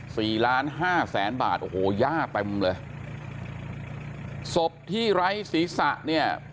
สี่ล้านห้าแสนบาทโอ้โหย่าเต็มเลยศพที่ไร้ศีรษะเนี่ย